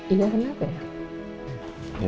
ini kenapa ya